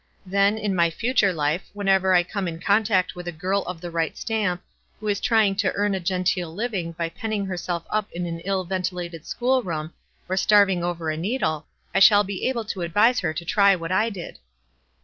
Then, in my future life, whenever I come ' WISE AND OTHERWISE. 219 in contact with a girl of the right stamp, who is trying to earn a genteel living by penning her self up in an ill ventilated school room, or starv ing over a needle, I shall be able to advise her to try what I did."